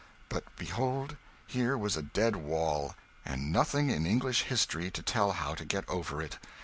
But behold, here was a dead wall, and nothing in English history to tell how to get over it.